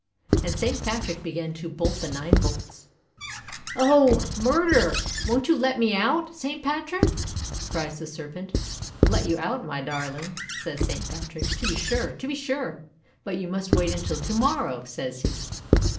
And Saint Patrick began to bolt the nine bolts. uOh! murder! won't you let me out, Saint Patrick?' cries the Serpent. :'Let you out, my darling!' says Saint Pat rick. "To be sure! to be sure! But you must wait until to morrow," says he.